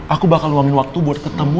aku bakal luangin waktu buat ketemu